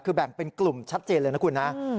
คือแบ่งเป็นกลุ่มชัดเจนเลยนะคุณนะ